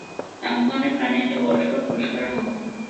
এমন ধরণের প্রাণী একটা বড়োসড়ো পুরষ্কারের হকদার।